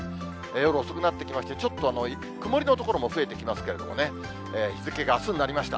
夜遅くなってきまして、ちょっと曇りの所も増えてきますけれどもね、日付があすになりました。